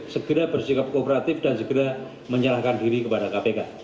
segera bersikap kooperatif dan segera menyerahkan diri kepada kpk